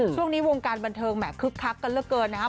ช่วงนี้วงการบันเทิงแห่คึกคักกันเหลือเกินนะครับ